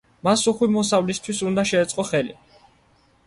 მას უხვი მოსავლისთვის უნდა შეეწყო ხელი.